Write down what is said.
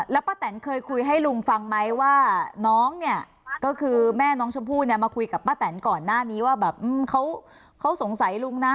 แล้วป้าแตนเคยคุยให้ลุงฟังไหมว่าน้องเนี่ยก็คือแม่น้องชมพู่เนี่ยมาคุยกับป้าแตนก่อนหน้านี้ว่าแบบเขาสงสัยลุงนะ